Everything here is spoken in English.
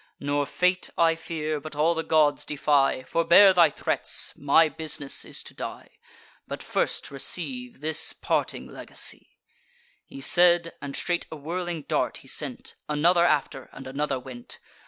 Nor fate I fear, but all the gods defy. Forbear thy threats: my bus'ness is to die; But first receive this parting legacy." He said; and straight a whirling dart he sent; Another after, and another went.